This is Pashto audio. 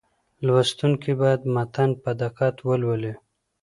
لوستونکي باید متن په دقت ولولي.